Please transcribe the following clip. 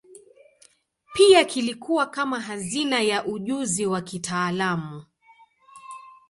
Pia kilikuwa kama hazina ya ujuzi wa kitaalamu.